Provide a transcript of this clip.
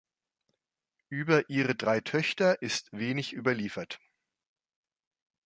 Über ihre drei Töchter ist wenig überliefert.